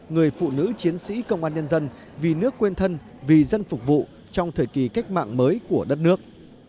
người phụ nữ chiến sĩ công an nhân dân vì nước quên thân vì dân phục vụ trong thời kỳ cách mạng mới của đất nước